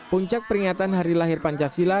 puncak peringatan hari lahir pancasila